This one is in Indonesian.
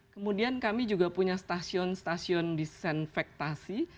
kemudian kami juga punya stasiun stasiun disinfektasi